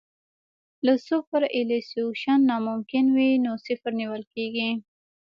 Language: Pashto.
که سوپرایلیویشن ناممکن وي نو صفر نیول کیږي